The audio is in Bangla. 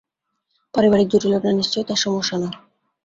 পারিবারিক জটিলতা নিশ্চয়ই তার সমস্যা নয়।